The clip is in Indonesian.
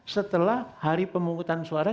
setelah hari pemungutan suara